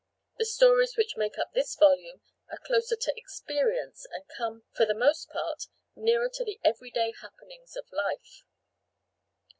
The stories which make up this volume are closer to experience and come, for the most part, nearer to the every day happenings of life.